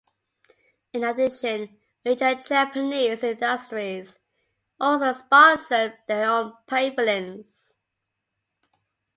In addition, major Japanese industries also sponsored their own pavilions.